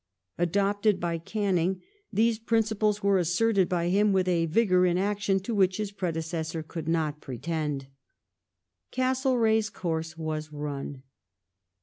^! Adopted by Canning, these principles were asserted by him with a vigour in action to which his predecessor could not pretend. Death of Castlereagh's course was run.